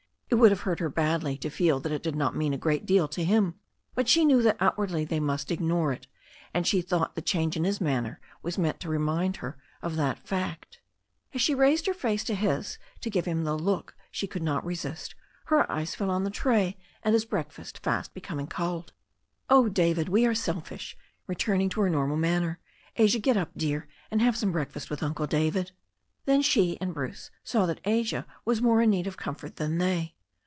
It would have hurt her badly to feel that it did not mean a g^eat deal to him. But she knew that outwardly they must ignore it, and she thought the change in his manner was meant to remind her of that fact. As she raised her face to his to give him the look she could not resist, her eyes fell on the tray, and his breakfast, fast becoming cold. "Oh, David, we are selfish," returning to her normal man ner. "Asia, get up, dear, and have some breakfast with Uncle David." Then she and Bruce saw that Asia was more in need of comfort than they.